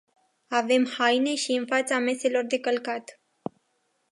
Avem haine și în fața meselor de călcat.